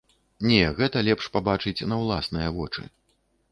Не, гэта лепш пабачыць на ўласныя вочы.